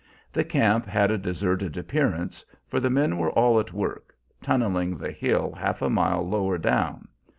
The camp had a deserted appearance, for the men were all at work, tunneling the hill half a mile lower down.